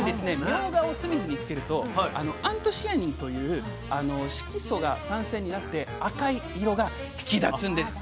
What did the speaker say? みょうがを酢水につけるとアントシアニンという色素が酸性になって赤い色が引き立つんです。